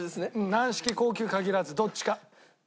軟式硬球限らずどっちか。